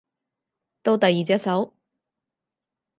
到第二隻手